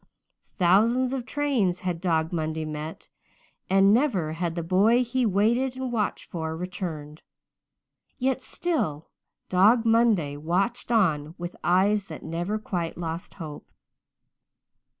Thousands of trains had Dog Monday met and never had the boy he waited and watched for returned. Yet still Dog Monday watched on with eyes that never quite lost hope.